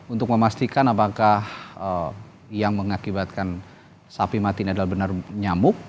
untuk memastikan apakah yang mengakibatkan sapi mati ini adalah benar nyamuk